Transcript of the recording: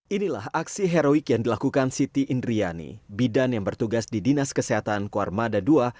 inilah aksi heroik yang dilakukan siti indriani bidan yang bertugas di dinas kesehatan kuarmada ii